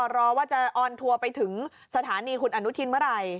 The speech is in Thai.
รอว่าจะออนทัวร์ไปถึงสถานีคุณอนุทินเมื่อไหร่